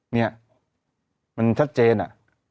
เนี่ยมันชัดเจนอะ